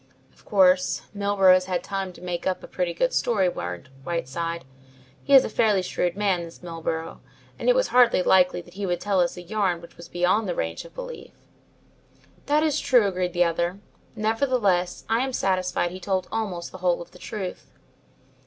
"Of course, Milburgh has had time to make up a pretty good story," warned Whiteside. "He is a fairly shrewd man, this Milburgh, and it was hardly likely that he would tell us a yarn which was beyond the range of belief." "That is true," agreed the other, "nevertheless, I am satisfied he told almost the whole of the truth."